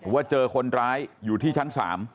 ว่าเจอคนร้ายอยู่ที่ชั้น๓